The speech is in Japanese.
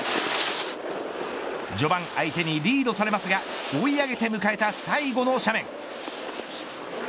序盤、相手にリードされますが追い上げて迎えた最後の斜面。